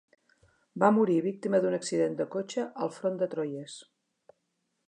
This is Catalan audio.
Va morir víctima d'un accident de cotxe al front de Troyes.